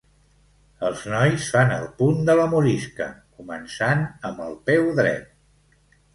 Els nois fan el punt de la morisca, començant amb el peu dret.